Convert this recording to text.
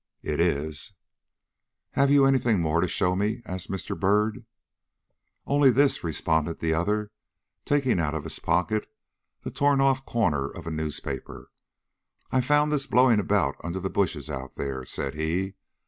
"It is." "Have you any thing more to show me?" asked Mr. Byrd. "Only this," responded the other, taking out of his pocket the torn off corner of a newspaper. "I found this blowing about under the bushes out there," said he.